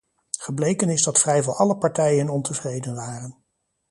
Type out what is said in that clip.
Gebleken is dat vrijwel alle partijen ontevreden waren.